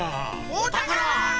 おたから！